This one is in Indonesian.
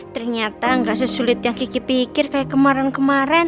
ternyata gak sesulit yang geki pikir kayak kemarin kemarin